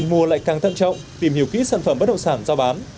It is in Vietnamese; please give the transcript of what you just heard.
mua lại càng tận trọng tìm hiểu kỹ sản phẩm bất động sản giao bán